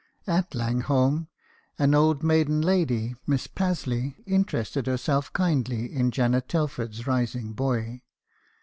At Langholm, an old maiden lady, Miss Pasley, interested herself kindly in Janet Telford's rising boy.